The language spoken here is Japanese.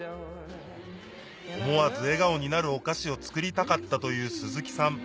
思わず笑顔になるお菓子を作りたかったという鈴木さん